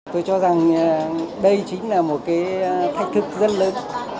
tôi cho rằng đây chính là một cái thách thức rất lớn